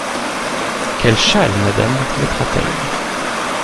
Quel châle Madame mettra-t-elle ?…